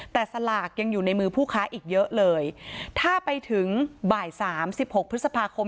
แต่สลากยังอยู่ในมือผู้ค้าอีกเยอะเลยถ้าไปถึงบ่ายสามสิบหกพฤษภาคม